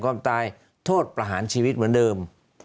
ความตายโทษประหารชีวิตเหมือนเดิม